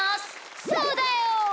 そうだよ！